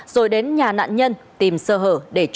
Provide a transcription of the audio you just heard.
rồi đến nhà nạn nhân tìm sơ hở